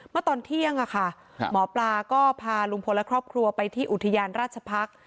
เมื่อตอนเที่ยงหมอปลาก็พาลุงพลและครอบครัวไปที่อุทยานราชพักษ์